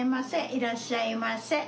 いらっしゃいませ。